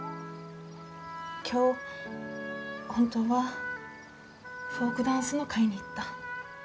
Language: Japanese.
今日本当はフォークダンスの会に行った。